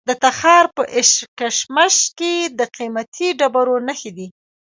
د تخار په اشکمش کې د قیمتي ډبرو نښې دي.